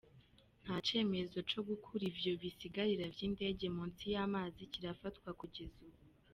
Nta cemezo co gukura ivyo bisigarira vy'indege munsi y'amazi kirafatwa kugeza ubu.